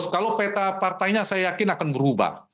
kalau peta partainya saya yakin akan berubah